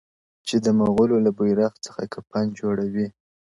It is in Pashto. چي د مغولو له بیرغ څخه کفن جوړوي-